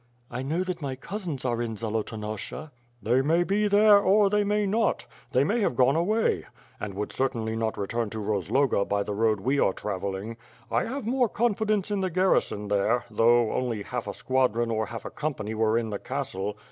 "I know that my cousins are in Zolotonosha." "They may be there or they may not, they may have gone away; and would certainly not return to Rozloga by the road we are travelling. I have more confidence in the garrison there, though only half a squadron or half a company were in the castle!